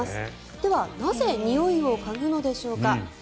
では、なぜにおいを嗅ぐのでしょうか。